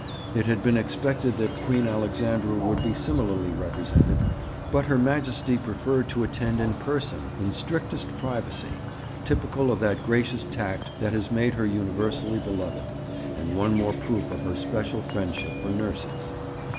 It had been expected that Queen Alexandra would be similarly represented, but Her Majesty preferred to attend in person in strictest privacy, typical of that gracious tact that has made her universally beloved, and one more proof of her special friendship for nurses.